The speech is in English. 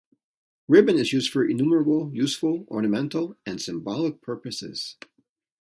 Ribbon is used for innumerable useful, ornamental, and symbolic purposes.